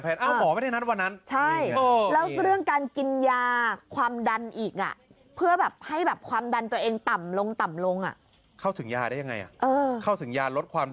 เออแต่ก็เป็นว่า